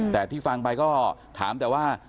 แต่ที่ฟังไปก็ถามแต่ว่า